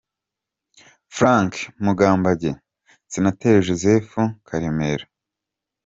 Frank Mugambage, Senateri Joseph Karemera, Lt.